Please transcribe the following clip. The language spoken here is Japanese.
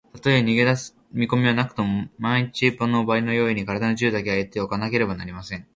たとえ逃げだす見こみはなくとも、まんいちのばあいの用意に、からだの自由だけは得ておかねばなりません。